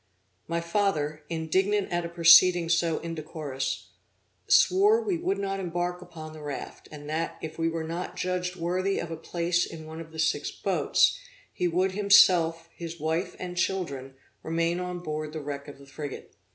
My father, indignant at a proceeding so indecorous, swore we would not embark upon the raft, and that, if we were not judged worthy of a place in one of the six boats, he would himself, his wife and children, remain on board the wreck of the frigate.